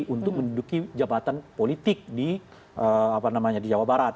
untuk menduduki jabatan politik di jawa barat